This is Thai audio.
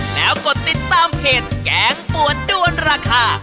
แล้วกดติดตามเพจแกงปวดด้วนราคา